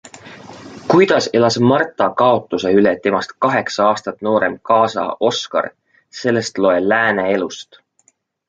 Kuidas elas Marta kaotuse üle temast kaheksa aastat noorem kaasa Oskar, sellest loe Lääne Elust.